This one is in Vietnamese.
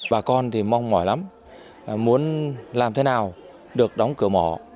bà con thì mong mỏi lắm muốn làm thế nào được đóng cửa mỏ